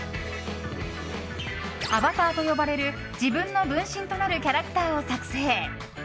アバターと呼ばれる自分の分身となるキャラクターを作成。